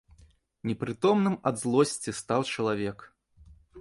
Непрытомным ад злосці стаў чалавек.